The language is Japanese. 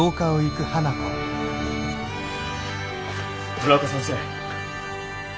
村岡先生。